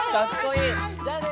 じゃあね！